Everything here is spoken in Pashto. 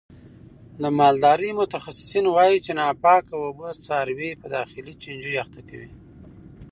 د مالدارۍ متخصصین وایي چې ناپاکه اوبه څاروي په داخلي چنجیو اخته کوي.